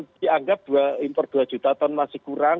dianggap impor dua juta ton masih kurang